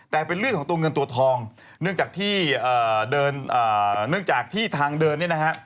แต่เป็นเลือดของตัวเงินตัวทองเนื่องจากที่ทางเดินเนี่ยนะฮะ